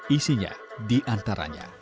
isinya di antaranya